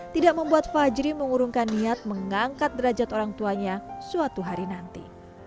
tidak membuat fajri mengurungkan niat mengangkat derajat orang tuanya suatu hari nanti